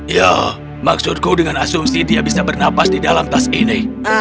ya maksudku dengan asumsi dia bisa bernapas di dalam tas ini